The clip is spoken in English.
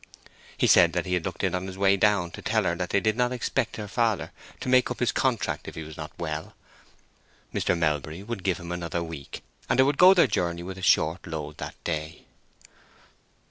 He said that he had looked in on his way down, to tell her that they did not expect her father to make up his contract if he was not well. Mr. Melbury would give him another week, and they would go their journey with a short load that day.